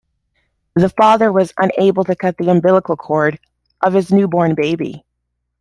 The father was unable to cut the umbilical cord of his newborn baby.